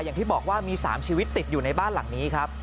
อย่างที่บอกว่ามี๓ชีวิตติดอยู่ในบ้านหลังนี้ครับ